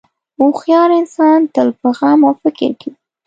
هوښیار انسان تل په غم او فکر کې وي.